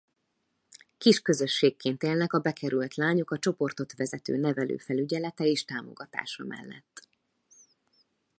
Kis közösségként élnek a bekerült lányok a csoportot vezető nevelő felügyelete és támogatása mellett.